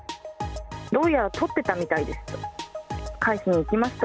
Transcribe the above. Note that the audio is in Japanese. どうやらとってたみたいですと。